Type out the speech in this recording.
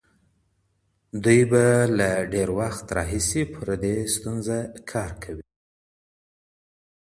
دوی به له ډېر وخت راهيسي پر دې ستونزه کار کړی وي.